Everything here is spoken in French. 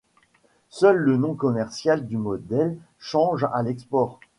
Seul le nom commercial du modèle change à l'export.